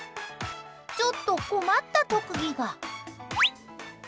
ちょっと困った特技が。